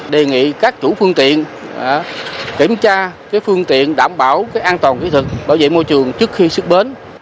đề nghị các chủ phương tiện kiểm tra phương tiện đảm bảo an toàn kỹ thuật bảo vệ môi trường trước khi xuất bến